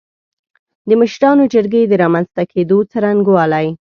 د مشرانو جرګې د رامنځ ته کېدو څرنګوالی